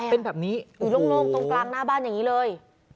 เป็นแบบนี้อยู่โล่งตรงกลางหน้าบ้านอย่างนี้เลย